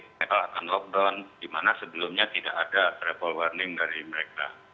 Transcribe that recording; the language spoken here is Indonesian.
mereka akan lockdown di mana sebelumnya tidak ada travel warning dari mereka